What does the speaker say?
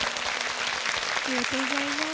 ありがとうございます。